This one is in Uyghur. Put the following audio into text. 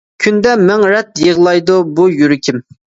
كۈندە مىڭ رەت يىغلايدۇ بۇ يۈرىكىم.